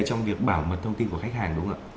trong việc bảo mật thông tin của khách hàng đúng không ạ